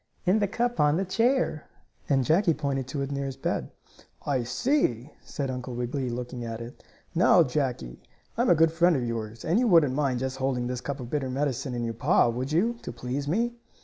"In that cup on the chair," and Jackie pointed to it near his bed. "I see," said Uncle Wiggily, looking at it. "Now, Jackie, I'm a good friend of yours, and you wouldn't mind just holding this cup of bitter medicine in your paw, would you, to please me?"